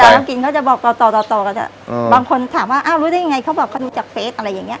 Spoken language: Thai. น้องกินเขาจะบอกต่อต่อต่อกันบางคนถามว่าอ้าวรู้ได้ยังไงเขาบอกเขาดูจากเฟสอะไรอย่างเงี้